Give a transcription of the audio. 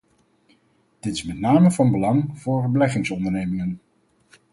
Dit is met name van belang voor beleggingsondernemingen.